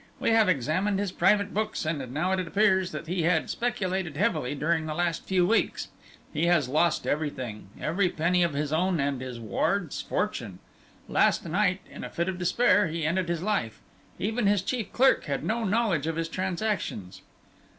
We have examined his private books, and it now appears that he had speculated heavily during the last few weeks he has lost everything, every penny of his own and his ward's fortune. Last night, in a fit of despair, he ended his life. Even his chief clerk had no knowledge of his transactions."